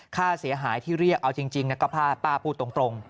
ค่าเสียหายที่เรียกเอาจริงก็ป้าพูดตรง